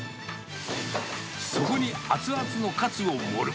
そこに熱々のカツを盛る。